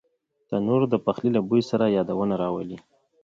تنور د پخلي له بوی سره یادونه راولي